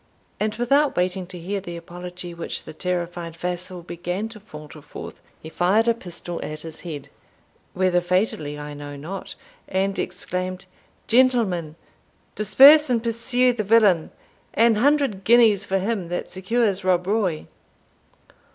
and, without waiting to hear the apology which the terrified vassal began to falter forth, he fired a pistol at his head, whether fatally I know not, and exclaimed, "Gentlemen, disperse and pursue the villain An hundred guineas for him that secures Rob Roy!"